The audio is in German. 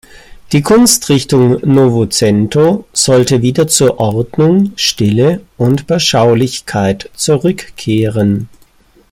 Die Kunstrichtung "Novecento" sollte wieder zur Ordnung, Stille und Beschaulichkeit zurückkehren.